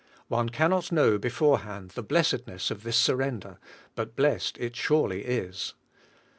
One cannot know beforehand the blessedness of this surrender, but blessed it surely is.